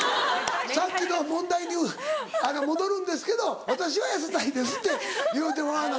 「さっきの問題に戻るんですけど私は痩せたいです」って言うてもらわな